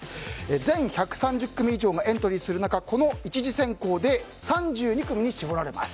全１３０組以上がエントリーする中この１次選考で３２組に絞られます。